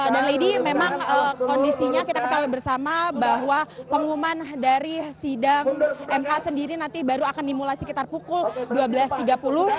dan lady memang kondisinya kita ketahui bersama bahwa pengumuman dari sidang mk sendiri nanti baru akan dimulai sekitar pukul dua belas tiga puluh